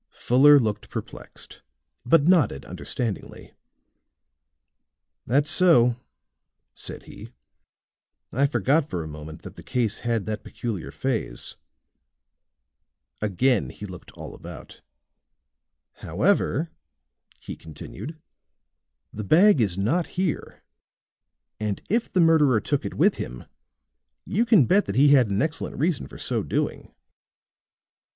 Fuller looked perplexed, but nodded understandingly. "That's so," said he. "I forgot, for a moment, that the case had that peculiar phase." Again he looked all about. "However," he continued, "the bag is not here, and if the murderer took it with him, you can bet that he had an excellent reason for so doing."